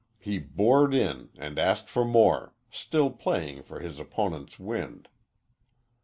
He bored in and asked for more, still playing for his opponent's wind.